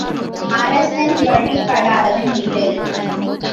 அரசன் வழிப்படாதவன் இல்லை.